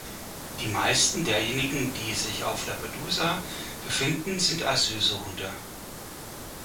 Die meisten derjenigen, die sich auf Lampedusa befinden, sind Asylsuchende.